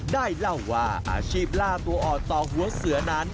ได้เล่าว่าอาชีพล่าตัวอ่อนต่อหัวเสือนั้น